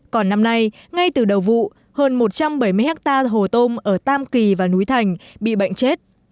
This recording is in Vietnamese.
còn năm nay ngay từ đầu vụ hơn một trăm bảy mươi hectare hồ tôm ở tam kỳ và núi thành bị bệnh chết